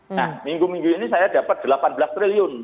nah minggu minggu ini saya dapat rp delapan belas triliun